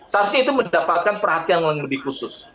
seharusnya itu mendapatkan perhatian yang lebih khusus